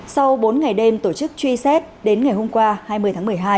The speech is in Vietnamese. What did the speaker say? sau bốn ngày đêm tổ chức truy xét đến ngày hôm qua hai mươi tháng một mươi hai